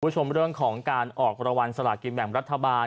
คุณผู้ชมเรื่องของการออกรางวัลสลากินแบ่งรัฐบาล